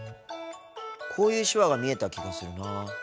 こういう手話が見えた気がするなぁ。